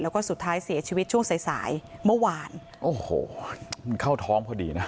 แล้วก็สุดท้ายเสียชีวิตช่วงสายสายเมื่อวานโอ้โหมันเข้าท้องพอดีนะฮะ